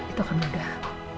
itu akan mudah